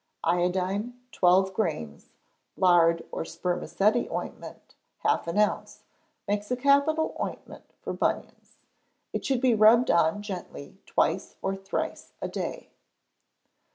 Iodine, twelve grains; lard or spermaceti ointment, half an ounce, makes a capital ointment for bunions. It should be rubbed on gently twice or thrice a day.